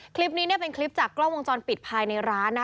คลิปนี้เป็นคลิปจากกล้องวงจรปิดภายในร้านนะ